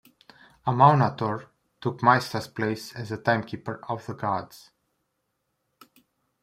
Amaunator took Mystra's place as the timekeeper of the gods.